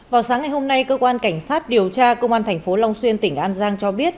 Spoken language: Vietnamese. vào sáng ngày hôm nay cơ quan cảnh sát điều tra công an thành phố long xuyên tỉnh an giang cho biết